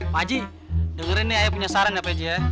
paji dengerin nih ayo punya saran ya paji ya